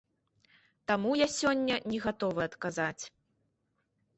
Таму я сёння не гатовы адказаць.